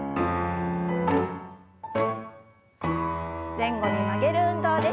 前後に曲げる運動です。